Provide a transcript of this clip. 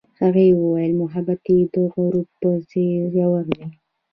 هغې وویل محبت یې د غروب په څېر ژور دی.